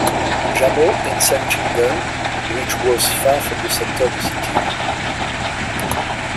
Jamo in Suncheon-gun, which was far from the centre of the city.